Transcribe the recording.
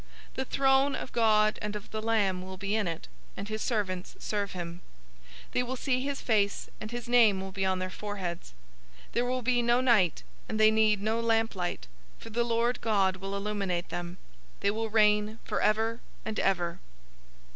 The throne of God and of the Lamb will be in it, and his servants serve him. 022:004 They will see his face, and his name will be on their foreheads. 022:005 There will be no night, and they need no lamp light; for the Lord God will illuminate them. They will reign forever and ever.